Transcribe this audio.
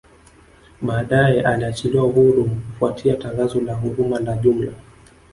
Baadae aliachiliwa huru kufuatia tangazo la huruma la jumla